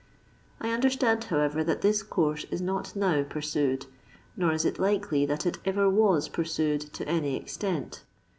I under stand, however, that this course is not now pur^ sued, nor is it likely that it ever was pursued to any extent.